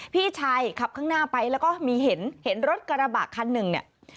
พี่ชายขับข้างหน้าไปแล้วก็มีเห็นรถกระบะคันหนึ่งเนี่ย